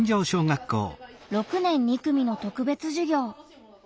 ６年２組の特別授業。